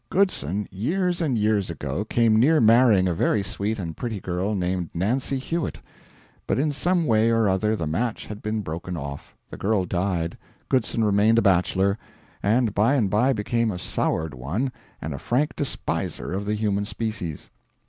Goodson, years and years ago, came near marrying a very sweet and pretty girl, named Nancy Hewitt, but in some way or other the match had been broken off; the girl died, Goodson remained a bachelor, and by and by became a soured one and a frank despiser of the human species.